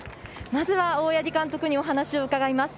まずは大八木監督にお話を伺います。